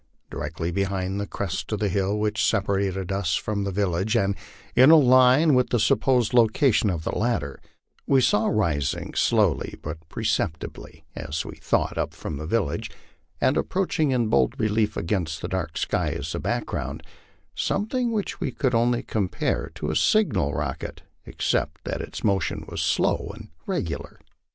Directly beyond the crest of the hill which separated us from the village, and in a line with the supposed location of the latter, we saw rising slowly but perceptibly, as we thought, up from the village, and appearing in bold relief against the dark sky as a background, something which we could only compare to a signal rocket, except that its motion wns slow and regular.